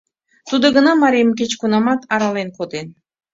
Тудо гына марийым кеч-кунамат арален коден...